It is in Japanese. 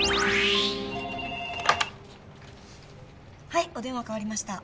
☎はいお電話代わりました。